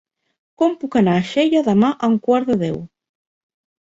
Com puc anar a Xella demà a un quart de deu?